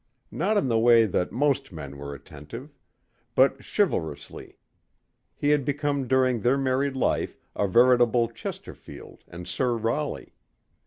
Not in the way that most men were attentive. But chivalrously. He had become during their married life a veritable Chesterfield and Sir Raleigh.